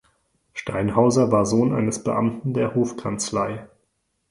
Steinhauser war Sohn eines Beamten der Hofkanzlei.